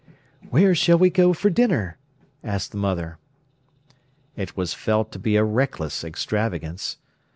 "Where should we go for dinner?" asked the mother. It was felt to be a reckless extravagance.